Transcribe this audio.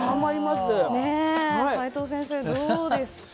齋藤先生、どうですか？